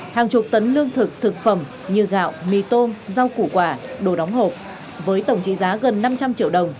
hàng chục tấn lương thực thực phẩm như gạo mì tôm rau củ quả đồ đóng hộp với tổng trị giá gần năm trăm linh triệu đồng